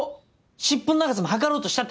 シッポの長さも測ろうとしたって話。